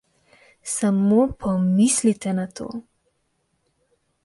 Samo pomislite na to!